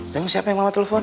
dengan siapa yang mama telepon